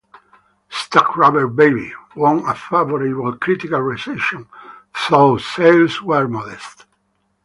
"Stuck Rubber Baby" won a favorable critical reception, though sales were modest.